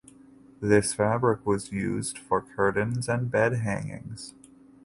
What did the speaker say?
This fabric was used for curtains and bed hangings.